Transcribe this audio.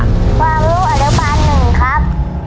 ความรู้อนุบาลหนึ่งครับ